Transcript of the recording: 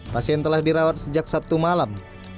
pasien telah dirawat sejak sabtu malam